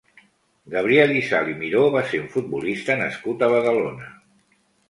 Gabriel Isal i Miró va ser un futbolista nascut a Badalona.